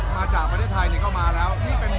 มาจากประเทศไทยเข้ามาแล้ว